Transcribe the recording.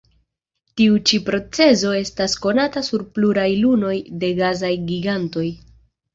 Tiu ĉi procezo estas konata sur pluraj lunoj de gasaj gigantoj.